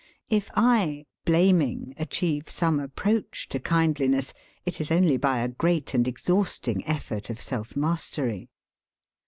If I, blaming, achieve some approach to kindliness, it is only by a great and exhausting effort of self mastery.